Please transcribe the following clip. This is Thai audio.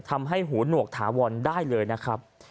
ทำให้หูหนวกถาวรได้เลยนะครับ